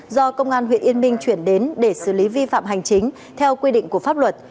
do công an huyện yên minh chuyển đến để xử lý vi phạm hành chính theo quy định của pháp luật